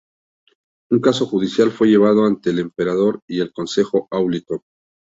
Un caso judicial fue llevado ante el emperador y el Consejo Áulico.